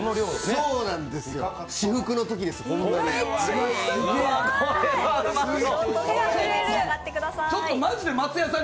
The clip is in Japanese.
そうなんですよ、至福のときです、ホンマに。